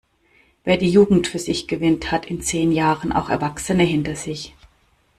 Wer die Jugend für sich gewinnt, hat in zehn Jahren auch Erwachsene hinter sich.